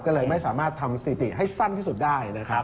ก็เลยไม่สามารถทำสถิติให้สั้นที่สุดได้นะครับ